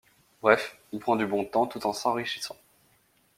Bref, il prend du bon temps tout en s'enrichissant.